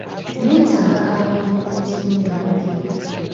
Neetaaga abayambi ku tiimu yange.